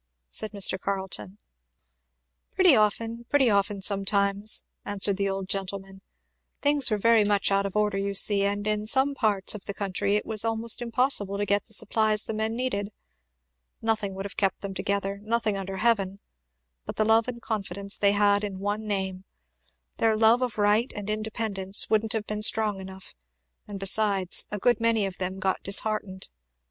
said Mr. Carleton. "Pretty often pretty often, sometimes," answered the old gentleman. "Things were very much out of order, you see, and in some parts of the country it was almost impossible to get the supplies the men needed. Nothing would have kept them together, nothing under heaven but the love and confidence they had in one name. Their love of right and independence wouldn't have been strong enough, and besides a good many of them got disheartened.